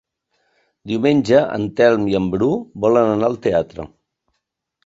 Diumenge en Telm i en Bru volen anar al teatre.